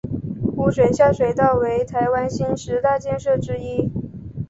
污水下水道为台湾新十大建设之一。